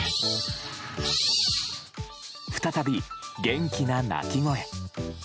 再び、元気な鳴き声。